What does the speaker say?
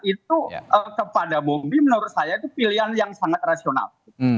itu kepada bobi menurut saya itu pilihan yang sangat rasional